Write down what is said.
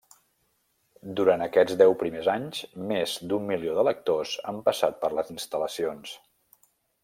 Durant aquests deu primers anys més d'un milió de lectors han passat per les instal·lacions.